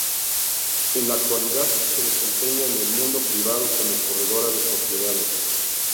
En la actualidad se desempeña en el mundo privado como Corredora de Propiedades.